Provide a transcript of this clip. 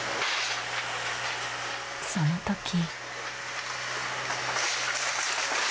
その時。